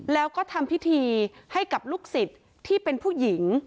แล้วก็ทำพิธีให้กับลูกศิษย์ที่เป็นผู้หญิง